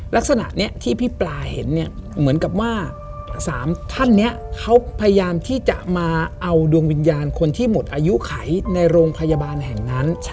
ลักษณะนี้ที่พี่ปลาเห็นเนี่ยเหมือนกับว่า๓ท่านนี้เขาพยายามที่จะมาเอาดวงวิญญาณคนที่หมดอายุไขในโรงพยาบาลแห่งนั้น